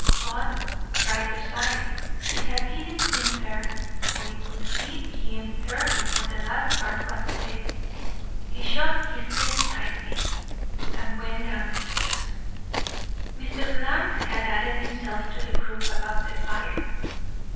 But, brighter side, it had given him her or it would give him her before the last card was played. He shut his teeth tightly, and went down the stairs. Mr. Bland had added himself to the group about the fire.